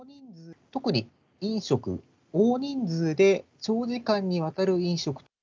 特に飲食、大人数で長時間にわたる飲食。